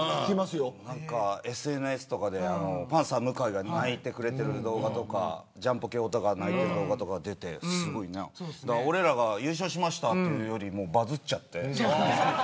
ＳＮＳとかでパンサー向井が泣いてくれている動画とかジャンポケ太田が泣いてる動画が出て俺らが優勝しましたというよりバズっちゃって。